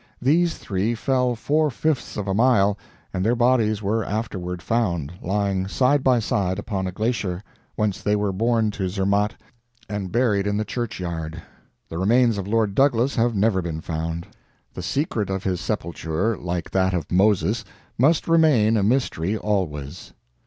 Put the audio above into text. These three fell four fifths of a mile, and their bodies were afterward found, lying side by side, upon a glacier, whence they were borne to Zermatt and buried in the churchyard. The remains of Lord Douglas have never been found. The secret of his sepulture, like that of Moses, must remain a mystery always.